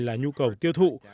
là nhu cầu tiêu thụ